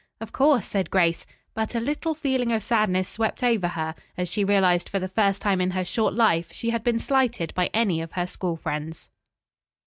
"Of course," said Grace, but a little feeling of sadness swept over her as she realized for the first time in her short life she had been slighted by any of her school friends.